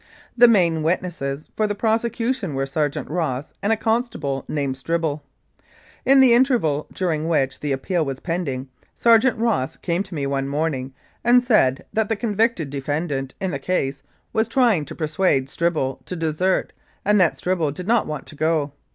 The main witnesses for the prosecution were Sergeant Ross and a constable named Stribble. In the interval during which the appeal was pending, Sergeant Ross came to me one morning and said that the convicted defendant in the case was trying to persuade Stribble to desert and that Stribble did not want to go.